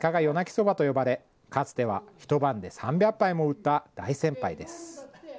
そばと呼ばれかつては一晩で３００杯も売った大先輩です